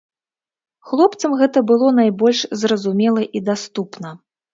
Хлопцам гэта было найбольш зразумела і даступна.